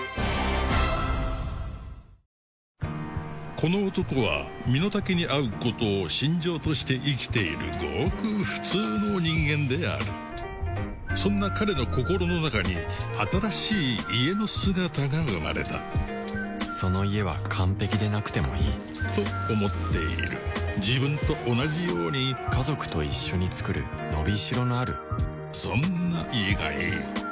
この男は身の丈に合うことを信条として生きているごく普通の人間であるそんな彼の心の中に新しい「家」の姿が生まれたその「家」は完璧でなくてもいいと思っている自分と同じように家族と一緒に作る伸び代のあるそんな「家」がいい家は生きる場所へ